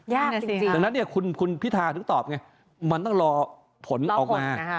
จริงดังนั้นเนี่ยคุณพิธาถึงตอบไงมันต้องรอผลออกมา